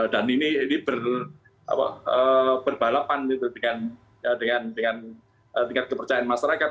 dan ini berbalapan dengan tingkat kepercayaan masyarakat